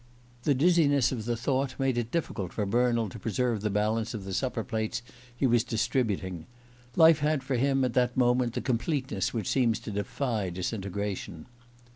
The dizziness of the thought made it difficult for Bernald to preserve the balance of the supper plates he was distributing. Life had for him at that moment the completeness which seems to defy disintegration.